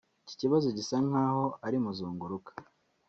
Iki kibazo gisa nkaho ari muzunguruka